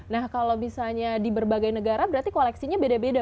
nah kalau misalnya di berbagai negara berarti koleksinya beda beda